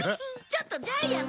ちょっとジャイアン。